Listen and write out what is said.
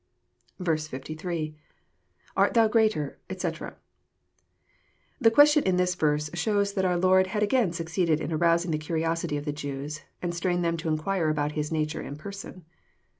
BS.^lArtthou greater, etc.fl The question in this verse shows that our Lord had again succeeded in arousing the curiosity of the Jews, and stirring them to inquire about His nature and person.